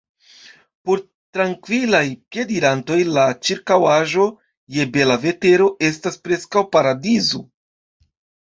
Por trankvilaj piedirantoj la ĉirkaŭaĵo, je bela vetero, estas preskaŭ paradizo.